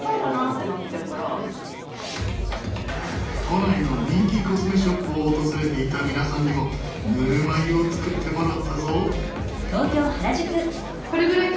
都内の人気コスメショップを訪れていた皆さんにもぬるま湯を作ってもらったぞ。